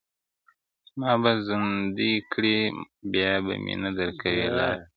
ما به زندۍ کړې، بیا به نه درکوی لار کوڅه,